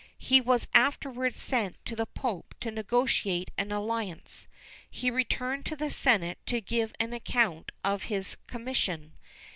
He was afterwards sent to the pope to negociate an alliance: he returned to the senate to give an account of his commission.